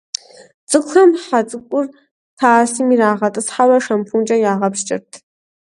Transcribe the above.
Цӏыкӏухэм хьэ цӀыкӀур тасым ирагъэтӀысхьэурэ шампункӀэ ягъэпскӀырт.